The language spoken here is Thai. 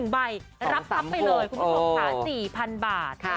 ๑ใบรับทรัพย์ไปเลยคุณผู้ชมค่ะ๔๐๐๐บาท